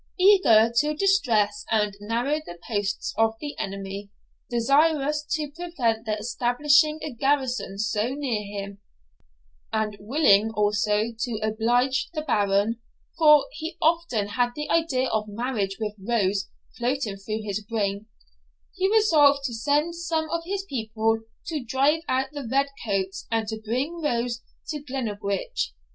Eager to distress and narrow the posts of the enemy, desirous to prevent their establishing a garrison so near him, and willing also to oblige the Baron for he often had the idea of marriage with Rose floating through his brain he resolved to send some of his people to drive out the red coats and to bring Rose to Glennaquoich.